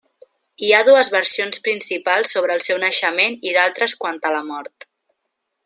Hi ha dues versions principals sobre el seu naixement i d'altres quant a la mort.